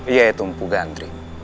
yaitu mpu gandri